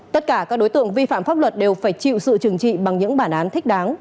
tất cả các đối tượng vi phạm pháp luật đều phải chịu sự trừng trị bằng những bản án thích đáng